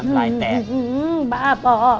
น้ำลายแตก